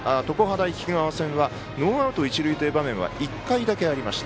大菊川戦はノーアウト、一塁という場面は１回だけありました。